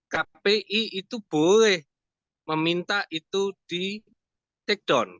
kpi itu boleh meminta itu di take down